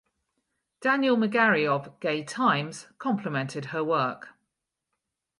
Daniel Megarry of "Gay Times" complimented her work.